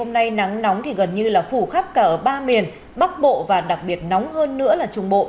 hôm nay nắng nóng thì gần như là phủ khắp cả ở ba miền bắc bộ và đặc biệt nóng hơn nữa là trung bộ